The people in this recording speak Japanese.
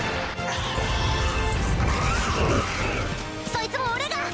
そいつも俺が。